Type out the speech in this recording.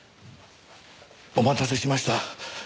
お待たせしました。